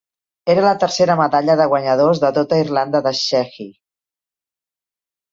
Era la tercera medalla de guanyadors de tota Irlanda de Sheehy.